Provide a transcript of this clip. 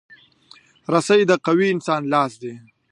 رسۍ د قوي انسان لاس دی.